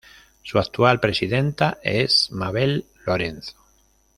Su actual presidenta es Mabel Lorenzo.